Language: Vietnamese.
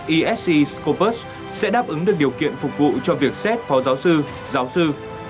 esg scopus sẽ đáp ứng được điều kiện phục vụ cho việc xét phó giáo sư giáo sư